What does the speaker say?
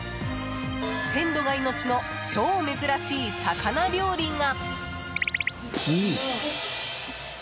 鮮度が命の超珍しい魚料理が。